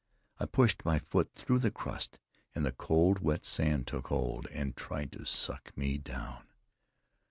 I pushed my foot through the crust, and the cold, wet sand took hold, and tried to suck me down.